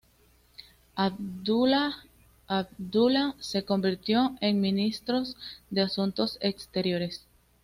Abdullah Abdullah se convirtió en ministro de asuntos exteriores.